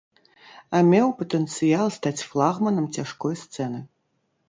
А меў патэнцыял стаць флагманам цяжкой сцэны.